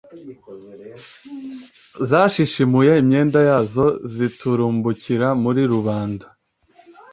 zashishimuye imyenda yazo, ziturumbukira muri rubanda